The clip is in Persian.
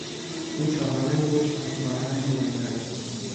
او چهار انگشت از خواهرش بلندتر است.